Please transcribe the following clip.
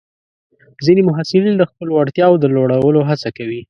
ځینې محصلین د خپلو وړتیاوو د لوړولو هڅه کوي.